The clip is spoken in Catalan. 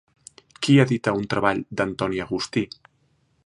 Qui edita un treball d'Antoni Agustí?